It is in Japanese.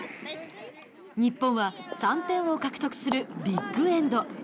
日本は３点を獲得するビッグエンド。